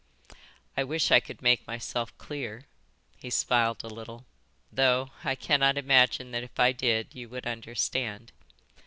I wish I could make myself clear." He smiled a little. "Though I cannot imagine that if I did you would understand."